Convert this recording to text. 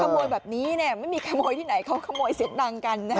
ขโมยแบบนี้ไม่มีขโมยที่ไหนเขาขโมยเสียงดังกัน